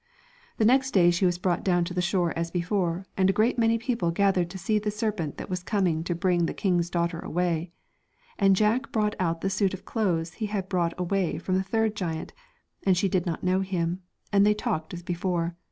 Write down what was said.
The next day she was brought down to the shore as before, and a great many people gathered to see the serpent that was coming to bring the king's daughter away. And Jack brought out the suit of clothes he had brought away from the third giant, and she did not know him, and they talked as before.